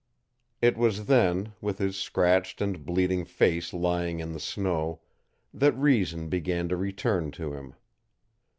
It was then, with his scratched and bleeding face lying in the snow, that reason began to return to him.